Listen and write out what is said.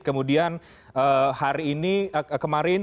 kemudian hari ini kemarin